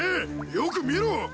よく見ろ！